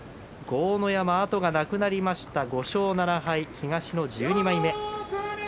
豪ノ山、後がなくなりました５勝７敗、東の１２枚目。